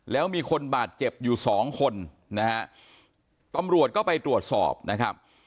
แล้วมีคนบาดเจ็บอยู่สองคนนะฮะตำรวจก็ไปตรวจสอบนะครับ